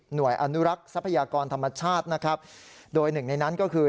อนุรักษ์ทรัพยากรธรรมชาตินะครับโดยหนึ่งในนั้นก็คือ